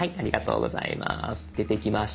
出てきました。